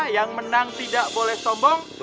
yang menang tidak boleh sombong